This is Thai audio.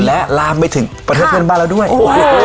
และลาบไม่ถึงประเทศเพื่อนบ้านเราด้วยโอ้โห